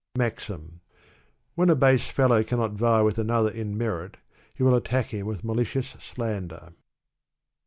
MAXIM. When a base fellow cannot vie with another in merit, he will attack him with malicious slander.